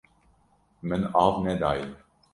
Min av nedaye.